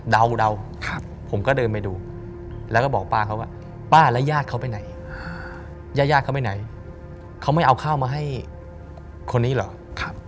เดาผมก็เดินไปดูแล้วก็บอกป้าเขาว่าป้าแล้วญาติเขาไปไหนญาติญาติเขาไปไหนเขาไม่เอาข้าวมาให้คนนี้เหรอ